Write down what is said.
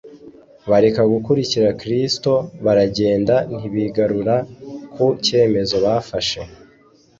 Bareka gukurikira Kristo, baragenda ntibigarura ku cyemezo bafashe.